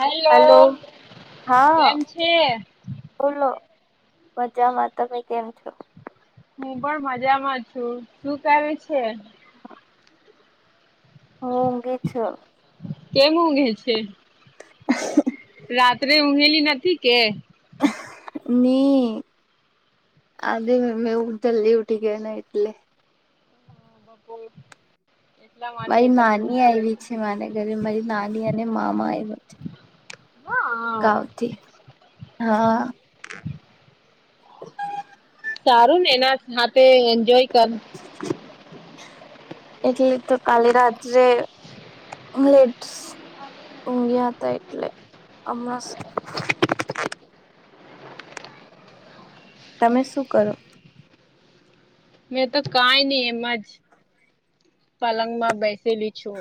Hello hello, હા. કેમ છે બોલો મજામાં તમે કેમ છો, હું પણ મજામાં છું, શું કરે છે, હા [inaudible] હઘી છું. કેમ ઊંઘે છે, રાત્રે ઊઘેલી નથી કે. ની [inaudible] આ મે ઉલટા ઉઠી ગયાના એટલે. ના કોઈ [inaudible] મારી નાની આવી છે, મારા ઘરે મારી નાની અને મામા આવ્યા છે. હા ગાવથી હા, સારુંને એના હાથે એન્જોય કરે. એટલે તો કાલે રાત્રે લેટસ. ઊંઘ્યા હતા એટલે હમણાં, તમે શું કરો, મેં તો કાં ઈ નહી એમ જ પલંગમાં બેસેલી છું.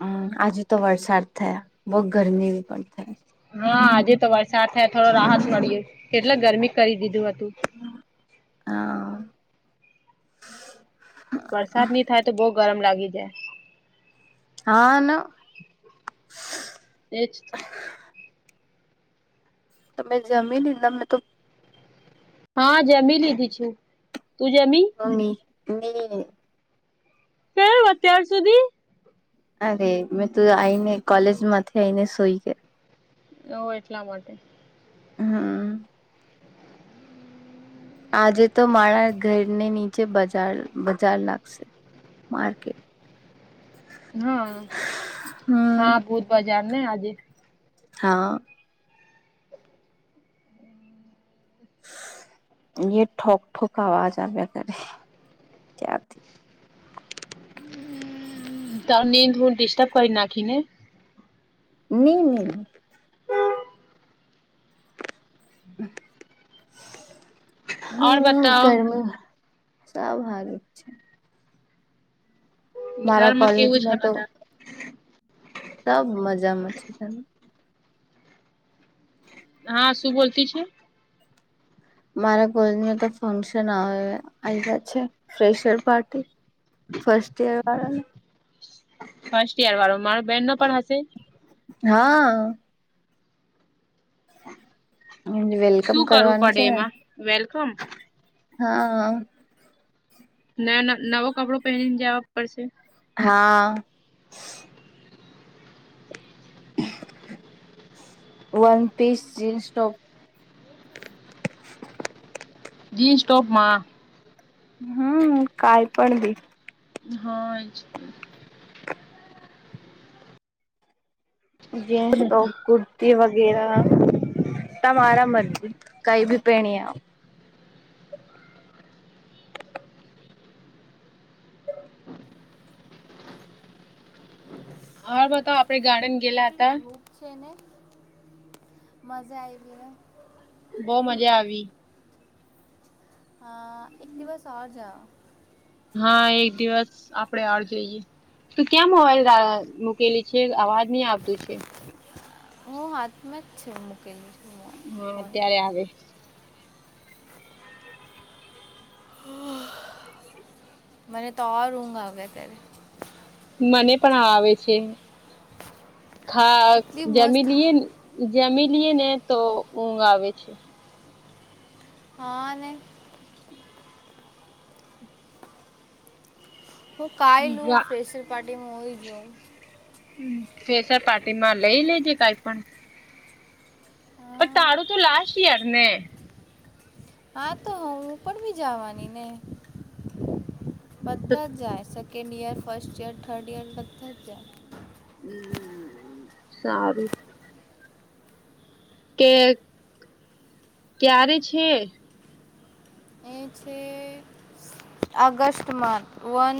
હું આજે તો વરસાદ થયા બહુ ગરમી પણ થયા. હા આજે તો વરસાદ થયા થોડો રાહત મળ્યો, કેટલા ગરમી કરી દીધું હતું. હા [inaudible] વરસાદ નહીં થાય તો બહુ ગરમ લાગી જાય. હા, ના એજ [inaudible] તો મેં જમીન લીધી મેંતો. હા, જમી લીધી છું તું જમી. કોહી. કેમ અત્યાર સુધી, અરે મેંતું આ આવીને કોલેજમાંથી આઈને સોઈ ગઈ. તો એટલા માટે, હા, આજેતો મારા ઘરને નીચે બજાર બજાર લાગશે. માર્કેટ, હા, હમ હા ભુત બજારને આજે. હા, એ ઠોક ઠોક આવાજ આવ્યા કરે ક્યાંથી, તો નીંદ હું ડિસ્ટર્બ કરી નાખીને, નહીં, નહીં ઓર હા બતાવ ગરમ, સાવ હારત છે. મારા ઘરમાં કેવું છે કોલેજમાં તો, બધા તબ મજામાં છે, તો હાશું બોલતી છે, મારા કોલેજમાં તો ફંક્શન આવે આવા છે, ફેશર પાર્ટી ફસ્ટ ઈયર વાળાને. ફર્સ્ટઈયર વાળો મારો બેનનો પણ હશે. હા [inaudible] વેલકમ શું કરવું કરવાનું પડે છે એમાં વેલકમ હા ના ના નવો કપડો પહેરીને જવા પડશે હા one piece jeans top jeans ટોપમાં હમ કઈ પણ દી હ જીન્સ ટોપ કૂટ તે વગેરા તમારાા મરજી કઈ ભી પ્રેણી હાર બતા આપડે ગાર્ડન ગેલા હતા ખૂ છે ને મજા આયવીને બહ મજા આવી હ એક દિવસ હ જાઓ હા એક દિવસ આપડે આડ જઈએ તું ક્યાં મોવાાઈલ ઉકેલી છે અવાજ નહી આવતું છે હું હાથમાં જ છે મૂકેલું છું ફોન જ મને તો આ ઊંઘ આવ અત્યારે મને પણ આવે છે ખા કેટલી મસ્ત જમીલીએ જમી લઈએ ને તો ઊંઘ આવે છે હા અને હું કઈ લઉ પ્રેશર પાર્ટીમાં હોય ગઉ હ ફેસર પાર્ટી માં લઈ લેજે કઈ પણ પણ તાળુ હા તો લાસશ્ટ ઇયરને હા તો હ ઉપર બી જવાની ને બધા જ જાય શકે second year first year third year બધ જર હમ સારું કે ક્યારે છે. એ છે. ઓગસ્ટમાં વન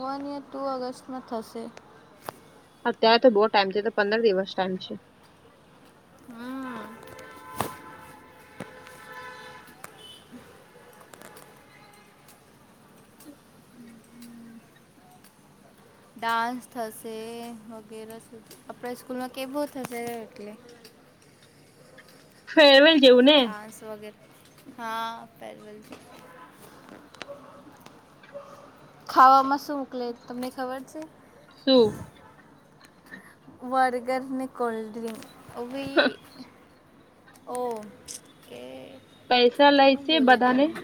વન યા ટુ ઓગસ્ટમાં થશે [unintelligible] અત્યારે તો બહુ ટાઈમ છે. તો પંદર દિવસ ટાઈમ છે. હમ હમ હમ ડાન્સ થશે વગેરે સુધ આપણા સ્કૂલમાં કે બો થશે એટલે- ફેરવેલ જેવું ને- ડાન્સ વગેરે હા પલથી- ખાવામાં શું મોકલે તમને ખબર છે? શું? બર્ગર અનેને કોલ્ડ ડ્રિંક ઉ જ ઓ કે પૈસા લઈ હું છે. બોલે બધાને તને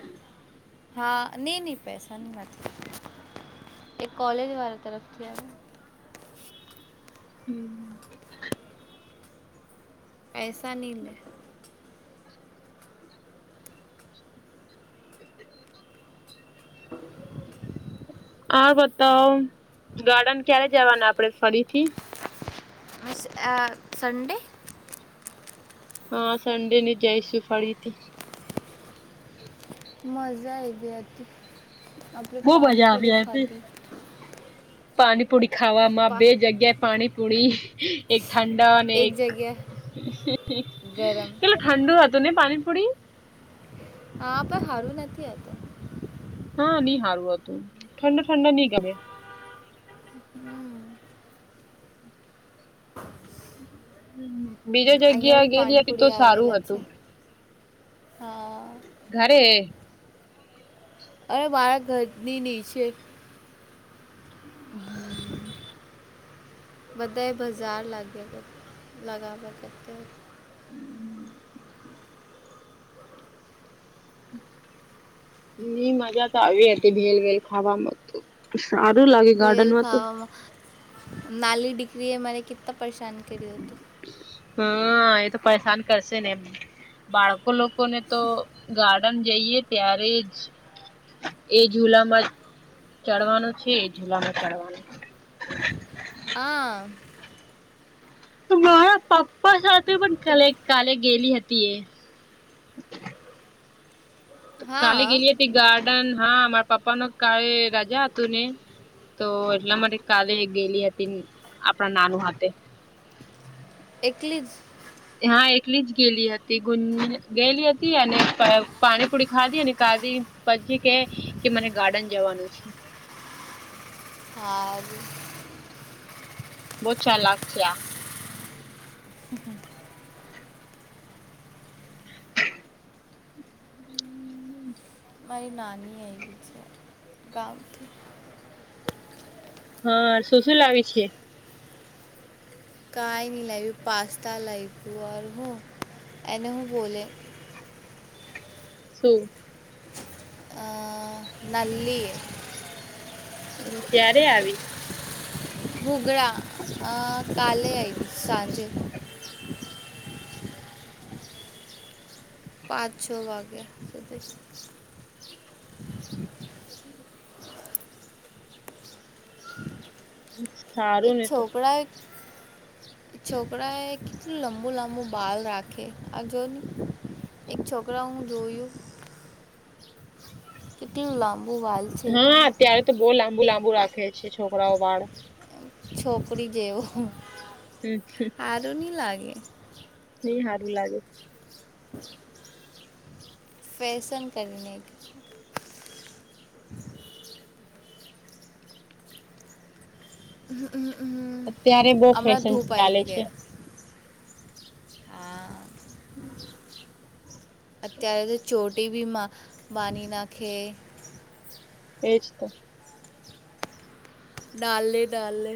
હા નહીં નહી પૈસાની નથી એ કોલેજ વાળા તરફથી આવે હમ પૈસા ન લે- [inaudible] હા બતાવ ગાર્ડન ક્યારે જવાનું આપડે ફરીથી- સન્ડે - હા સંડે ની જઈશું ફરીથી- મજા આય ગ હતી- આપણે બહુ મજા પાણીપુરી આવી હતી. ખાધી પાણીપુરી ખાવામાં પા બે જગ્યા પાણી પુરી એક ઠંડા અને એક ગરમ કેટલું ઠંડુ હતું ને પાણીપુરી. હા, પણ હારું નથી અતુ. હા, ની હારુ હતુ ઠંડો ઠંડોની ગમે. બીજા અહીંયા જગ્યા બી ગેલી હતી તો પાણીપુરી સારું આવેલા છે હતું. હા. ઘરે. અરે મારા ઘરની નીચે. હમ. બધાએ બજાર લાગ્યા કર લગાવવા કરતા. [inaudible] ની મજા તો આવી હતી ભેલ વેલ ખાવામાં તો સારું લાગે ભેલ ગાર્ડનમાં તો. ખાવામાં નાલી દીકરીએ મને કેટલા પરેશાન કર્યું હતું. હા, એ તો પરેશાન કરશે ને એમ બાળકો લો લોકોને તો ગાર્ડન જઈએ ત્યારે જ. એ ઝુલામાં ચડવાનું છે. એ જુલામાં ચડવાનું. હા મારા પપ્પા સાથે પણ તો કાલે કાલે ગેલી હતી એ. હા કાલે ગેલી હતી ગાર્ડન હા, મારા પપ્પાનુ કાલે રજા હતું ને. તો એટલા માટે કાલે ગેલી હતી આપણા નાનું હાથે. એકલી જ? હા, એકલી જ ગેલી હતી ગું ગેલી હતી અને પ [unintelligible] પાણીપુરી ખાધી અને ખાધી પછી કે કે મને ગાર્ડન જવાનું છે. હા. બો ચાલાક છે આ. [inaudible] મારી નાની આયવી છે ગામથી. હા, શું શું લાવી છે. કાઈ ની લાયવી પાસ્તા લાવ્યું હું એને હું બોલે. શું. અ નાલ્લી. ક્યારે આવી. હુગડા અ કાલેય સાંજે. પાંચ છો વાગ્યા [inaudible] એક ને છોકરા [inaudible] છોકરા એ કેટલું લંબુ લંબુ બાલ રાખે આ જોત. એક છોકરા હુ જોયુ. કેટલુ લાબુ બાલ. હા, અત્યારે તો બો લાંબુ લાંબુ રાખે છે છોકરાઓ વાળ. છોકરી જેવો. [unintelligible] હારુની લાગે. ની હારુ લાગે. ફેશન કરને. [unintelligible] અત્યારે બોવ હમણાં ફેશન ધૂપ ચાલે આવી છે. ગયા હા [inaudible] અત્યારે તો ચોટી બી માં માની નાખે. એજ તો ડાલે ડાલલે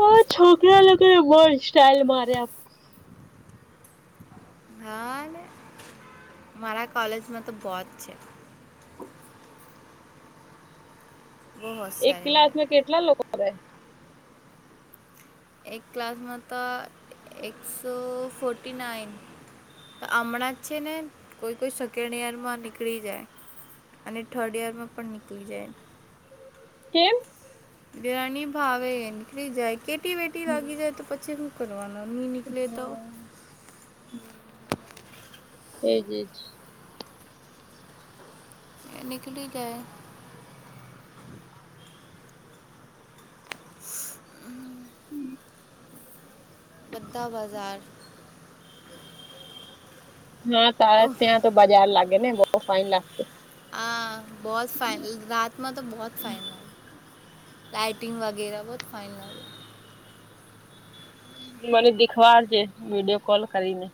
હ છોકરા લગને વ સ્ટાઇલ મારે્યા હા ને મા માર કૉલેજમાં તો બહુ છે બહુ એક હોશિયારી ક્લાસ મારે માં કેટલા લોકો રહેે એક ક્લાસમાંતા એકસો ફોર્ટી નાઇન હમણાં જ છે ને કોઈ કોઈ સેકન્ડ ઈયર માં નીકળી જાય અને થર્ડ યરમાં પણ નીકળી જાય કેમ બરાની ભાવે નીકળી જાય કેટી વેટી લાગી જાય તો પછી કરવના નહીં નિકલે તો હ એજ એજ નિકલી જાય બદાબજાર હા તારા ત્યાં તો બજાર લાગે ને બહુ ફાઇન લાગશે આ બહુ ફાઇનલ રાતમાં તો બહુ ફાઇનલ લાઈટિંગ વગેરે બહ ફાઈને મને દેખવારજે વિડીયો કોલ કરીને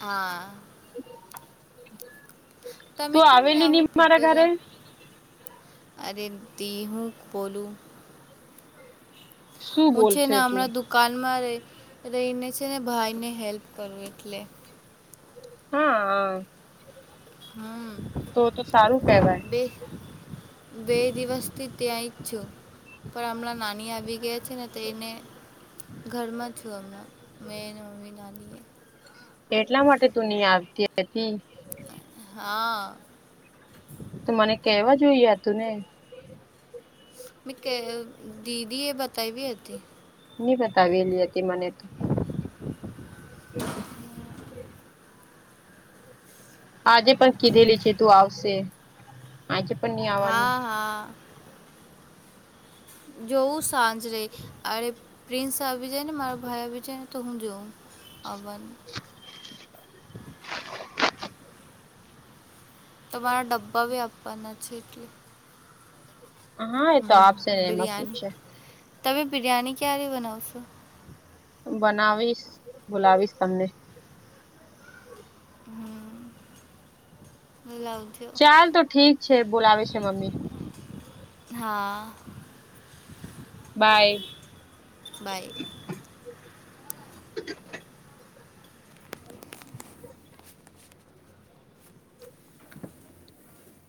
હા તમે તું કેમ નહી આવેલી આવો મારા ભૂતભજાર ઘરે અરે દી હું બોલું શું હું છે ને બોલશે તું? હમણાં દુકાનમાં રહી રહીને છે ને ભાઈને હેલ્પ કરું એટલે હા હ હમ તો તો સારું કહેવાય બે બે દિવસ ત્યાં ઈ જ છું પણ હમણાં નાની આવી ગયા છે ને તો એને. ઘરમાં છું અમણા મે મમી નાનીએ. એટલા માટે તું નઇ આવતી હતી. હા. તો મને કેવા જોઈએ તું ને. મેં ક દીદી એ બતાવી હતી. ની બતાવેલી હતી મને તો. [unintelligible] આજે પણ કીધેલી છે તું આવશે આજે પણ નહી આવવાની. હા હા જોવું સાંજરે અરે પ્રિન્સ આવી જાય ને મારા ભાઈ આવી જાયને તો હું જોઉં. આવવાનું. [inaudible] તમારા ડબ્બા ભી આપવાના છે એટલે. હા એ તો આપશે હમ ને એમાં શું બિરયાની છે. તમે બિરયાની ક્યારે બનાવશો. બનાવીશ બોલાવીશ તમને. હ લવ. ચાલ તો ઠીક છે બોલાવે છે મમ્મી. હા. બાય. બાય.